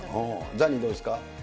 ザニー、どうですか。